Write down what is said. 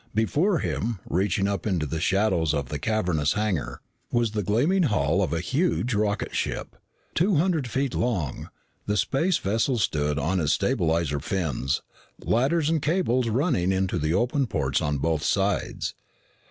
Before him, reaching up into the shadows of the cavernous hangar, was the gleaming hull of a huge rocket ship. Two hundred feet long, the space vessel stood on its stabilizer fins, ladders and cables running into the open ports on both sides.